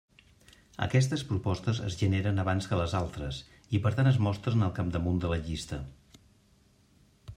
Aquestes propostes es generen abans que les altres i per tant es mostren al capdamunt de la llista.